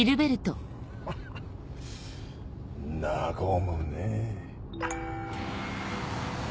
ハハ和むねぇ。